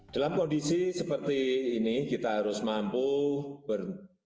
dalam kondisi seperti ini kita harus mampu bertumpu dengan kemampuan yang terbaik